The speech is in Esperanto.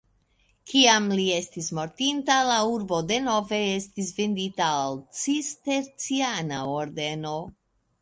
Kiam li estis mortinta, la urbo denove estis vendita al cisterciana ordeno.